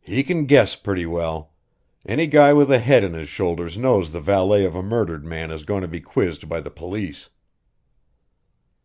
"He can guess pretty well. Any guy with a head on his shoulders knows the valet of a murdered man is going to be quizzed by the police."